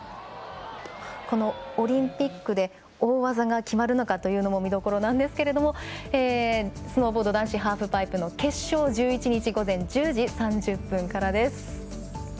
オリンピックで大技が決まるのかというのも見どころなんですけれどもスノーボード男子ハーフパイプの決勝１１日午前１０時３０分からです。